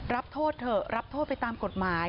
รับโทษเถอะรับโทษไปตามกฎหมาย